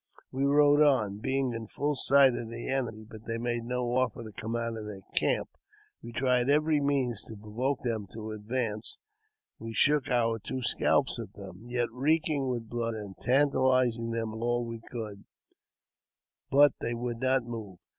We rode on, being in full sight of the enemy, but they made no offer to come out of their camp. We tried every means to provoke them to advance ; we shook our two scalps at them, yet reeking with blood, and tantalized them all we could; bu^ they would not move.